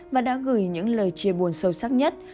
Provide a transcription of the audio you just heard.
và đã gửi những lời chia buồn sâu sắc nhất